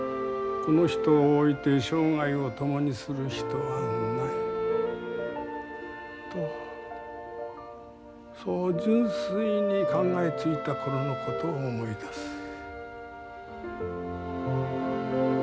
この人をおいて生涯を共にする人はないとそう純粋に考えついた頃のことを思い出す。